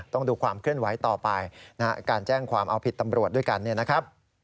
ต้องดูความเคลื่อนไหวต่อไปนะฮะการแจ้งความเอาผิดตำรวจด้วยกันเนี่ยนะครับ